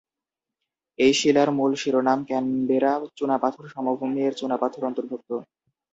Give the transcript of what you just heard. এই শিলার মূল শিরোনাম ক্যানবেরা "চুনাপাথর সমভূমি" এর চুনাপাথর অন্তর্ভুক্ত।